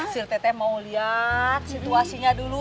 surti teh mau liat situasinya dulu